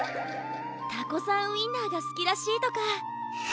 タコさんウインナーがすきらしいとか。